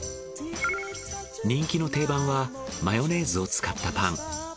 人気の定番はマヨネーズを使ったパン。